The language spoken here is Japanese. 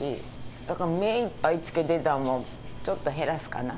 だから目いっぱいつけてたのを、ちょっと減らすかな。